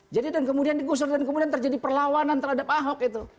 jadi dan kemudian digusur dan kemudian terjadi perlawanan terhadap ahok itu